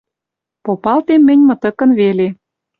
Попалтем мӹнь мытыкын веле.